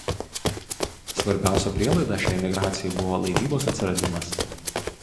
Svarbiausia prielaida šiai migracijai buvo laivybos atsiradimas.